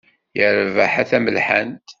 Yerbeḥ a tamelḥant.